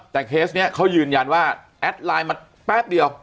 แต่เคสนี้เขายืนยันว่าแอดไลน์มาแป๊บเดียว